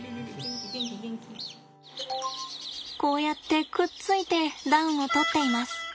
こうやってくっついて暖をとっています。